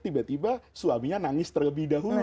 tiba tiba suaminya nangis terlebih dahulu